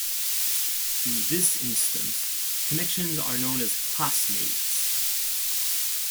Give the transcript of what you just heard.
In this instance, connections are known as "classmates".